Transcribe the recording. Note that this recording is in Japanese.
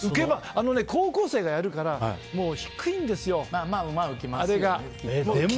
高校生がやるからもう低いんですよ、あれが。